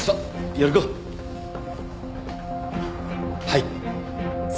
はい。